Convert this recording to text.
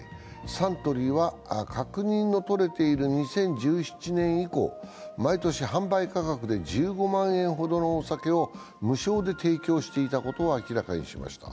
サントリーは確認の取れている２０１７年以降、毎年、販売価格で１５万円ほどのお酒を無償で提供していたことを明らかにしました。